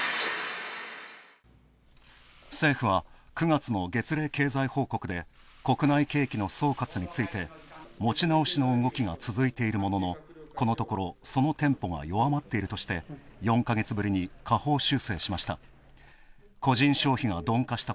政府は９月の月例経済報告で国内景気の総括について持ち直しの動きが続いているもののこのところ、そのテンポが弱まっているとして４か月ぶりに下方修正しました。